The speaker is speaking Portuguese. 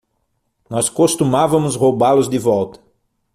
Nós costumávamos roubá-los de volta.